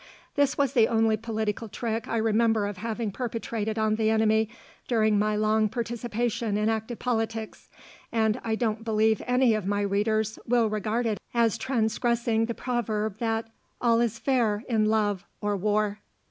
This was the only political trick I remember of having perpetrated on the enemy during my long participation in active politics, and I don't believe any of my readers will regard it as transgressing the proverb that "all is fair in love or war."